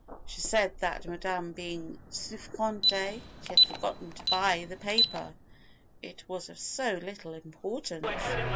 She said that, Madame being souffrante, she had forgotten to buy the paper. It was of so little importance!